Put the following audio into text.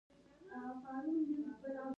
هغوی وایي چې میلمه د خدای مېلمه ده